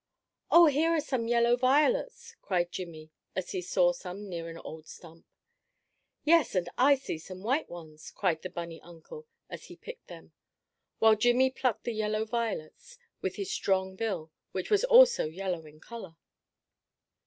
"Oh, here are some yellow violets!" cried Jimmie, as he saw some near an old stump. "Yes, and I see some white ones!" cried the bunny uncle, as he picked them, while Jimmie plucked the yellow violets with his strong bill, which was also yellow in color.